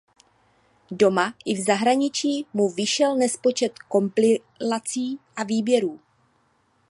Doma i v zahraničí mu vyšel nespočet kompilací a výběrů.